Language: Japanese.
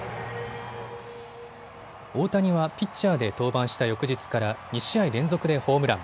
大谷はピッチャーで登板した翌日から２試合連続でホームラン。